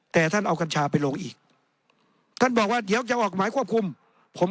แต่ท่านเอากัญชาไปลงอีกท่านบอกว่าเดี๋ยวจะออกหมายควบคุมผม